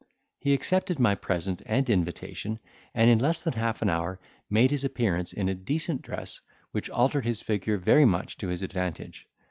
He accepted my present and invitation, and in less than half an hour made his appearance in a decent dress, which altered his figure very much to his advantage.